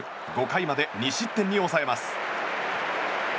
５回まで２失点に抑えます。